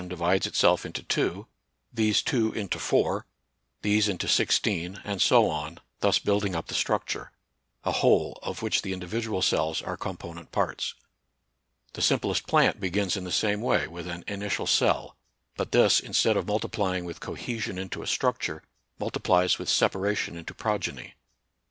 31 divides itself into two, these two into four, these into sixteen, and so on, thus building up the structure, — a whole, of which the individual cells are component parts. The simplest plant begins in the same way with an initial cell, but this, instead of multiplying with cohesion into a structure, multiplies with separation into pro geny.